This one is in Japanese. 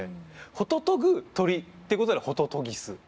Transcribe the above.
ほととぐ鳥っていうことでホトトギス。